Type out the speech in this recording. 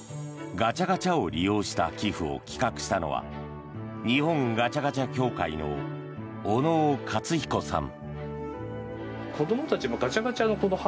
ガチャガチャを利用した寄付を企画したのは日本ガチャガチャ協会の小野尾勝彦さん。